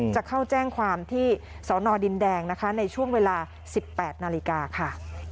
จะเข้าแจ้งความที่สนดินแดงนะคะในช่วงเวลา๑๘นาฬิกาค่ะ